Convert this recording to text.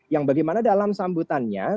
yang bagaimana dalam sambutannya